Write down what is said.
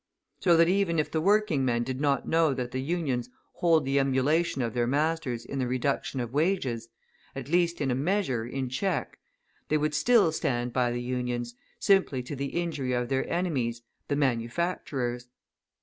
So that even if the working men did not know that the Unions hold the emulation of their masters in the reduction of wages, at least in a measure, in check, they would still stand by the Unions, simply to the injury of their enemies, the manufacturers.